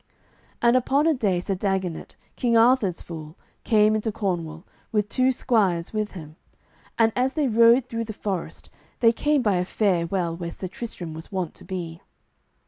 And upon a day Sir Dagonet, King Arthur's fool, came into Cornwall, with two squires with him, and as they rode through the forest they came by a fair well where Sir Tristram was wont to be.